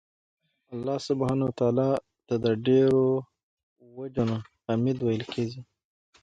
الله سبحانه وتعالی ته د ډيرو وَجُو نه حــمید ویل کیږي